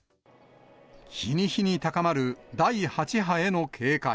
日に日に高まる第８波への警戒。